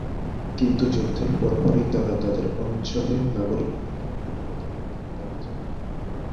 কিন্তু যুদ্ধের পরপরই তারা তাদের অঞ্চলের নাগরিক অধিকার পুনরুদ্ধারের দাবি জানায়।